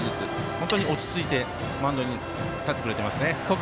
本当に落ち着いてマウンドに立ってくれてますね。